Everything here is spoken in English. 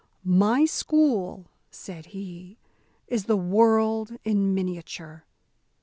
"My school," said he, "is the world in miniature.